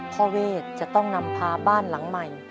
เวทจะต้องนำพาบ้านหลังใหม่